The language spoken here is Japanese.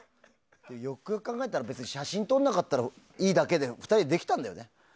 よくよく考えたら写真撮らなかったらいいだけで２人でできたんだよね。